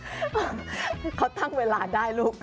เห้อเขาตั้งเวลาให้ได้ลูก